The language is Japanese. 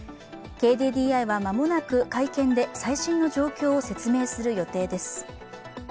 ＫＤＤＩは間もなく会見で最新の状況を説明する予定です。